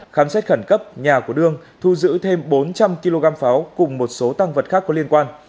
khám xét khẩn cấp nhà của đương thu giữ thêm bốn trăm linh kg pháo cùng một số tăng vật khác có liên quan